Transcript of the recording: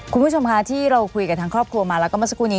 คุณผู้ชมคะที่เราคุยกับทั้งครอบครัวมาแล้วก็เเสร็จ